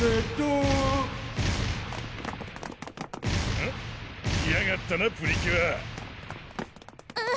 うん？来やがったなプリキュアうっ